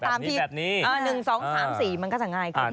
แบบนี้แบบนี้อ่าหนึ่งสองสามสี่มันก็จะง่ายครับ